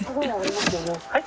はい？